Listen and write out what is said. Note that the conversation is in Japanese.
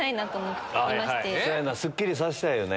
すっきりさせたいよね。